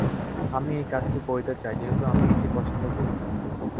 আমি এই কাজটি করিতে চাই, যেহেতু আমি এটি পচ্ছন্দ করি।